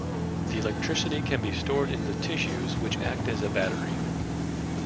The electricity can be stored in the tissues, which act as a battery.